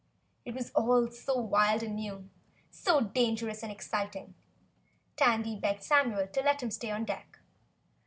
It was all so wild and new, so dangerous and exciting, Tandy begged Samuel to let him stay on deck.